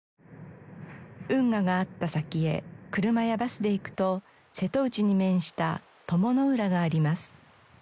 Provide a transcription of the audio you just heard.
運河があった先へ車やバスで行くと瀬戸内に面した鞆の浦があります。